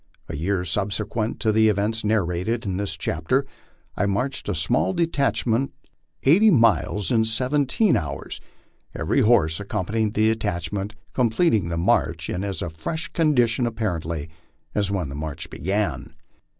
A year subsequent to the events narrated in this chapter I marched a small detach ment eighty miles in seventeen hours, every horse accompanying the detach ment completing the march in as fresh condition apparently as when the march began.